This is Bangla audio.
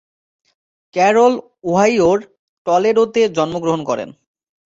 ক্যারল ওহাইওর টলেডোতে জন্মগ্রহণ করেন।